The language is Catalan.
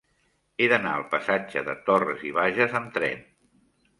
He d'anar al passatge de Torras i Bages amb tren.